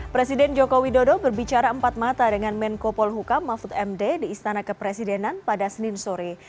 presiden jokowi dodo berbicara empat mata dengan menko polhukam mahfud md di istana kepresidenan pada senin sore